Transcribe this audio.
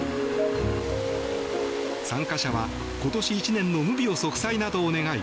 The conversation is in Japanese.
参加者は今年１年の無病息災などを願い